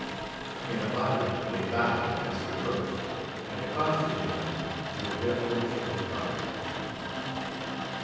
In a body they bowed as he approached, and accosted him with deferential regard.